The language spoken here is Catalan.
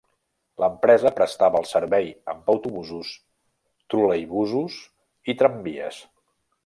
L'empresa prestava el servei amb autobusos, troleibusos i tramvies.